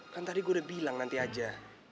kan tadi gue udah bilang nanti aja